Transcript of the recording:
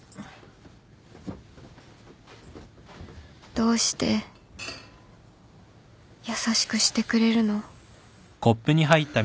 どうして優しくしてくれるの？